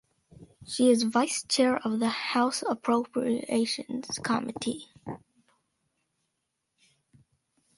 She is vice chair of the House Appropriations Committee.